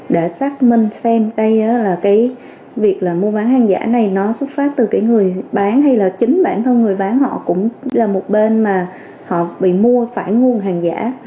để xác minh xem đây là cái việc là mua bán hàng giả này nó xuất phát từ cái người bán hay là chính bản thân người bán họ cũng là một bên mà họ bị mua phải nguồn hàng giả